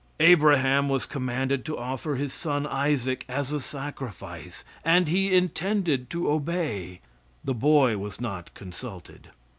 Abraham was commanded to offer his son Isaac as a sacrifice, and he intended to obey. The boy was not consulted.